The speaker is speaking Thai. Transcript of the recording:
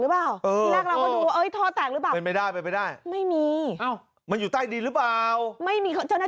เฮ้ยทำไมเพิ่มเยอะขนาดนั้น